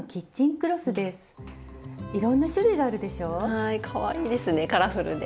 はいかわいいですねカラフルで。